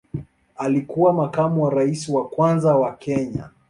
Alikuwa makamu wa rais wa kwanza wa Kenya.